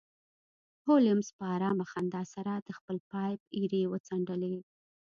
هولمز په ارامه خندا سره د خپل پایپ ایرې وڅنډلې